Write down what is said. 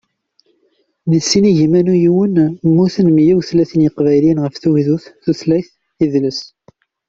Di sin igiman u yiwen mmuten meyya u tlatin iqbayliyen ɣef tugdut, tutlayt, yidles...